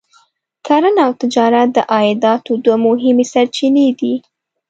کرنه او تجارت د عایداتو دوه مهمې سرچینې دي.